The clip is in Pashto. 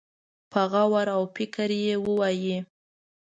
په غور او فکر يې ووايي.